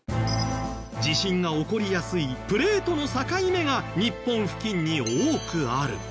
地震が起こりやすいプレートの境目が日本付近に多くある。